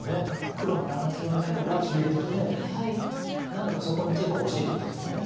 黒もダメヅマリだからっていうので何かそこに手が欲しいとこですよね